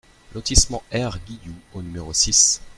Lotissement R Guilloux au numéro six